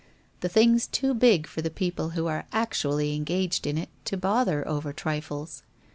The thing's too big for the people who are actually engaged in it to bother over trifles.